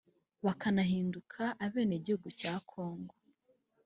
bakanahinduka abene gihugu cya congo.